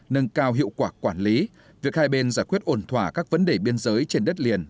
nâng cao hiệu quả quản lý việc hai bên giải quyết ổn thỏa các vấn đề biên giới trên đất liền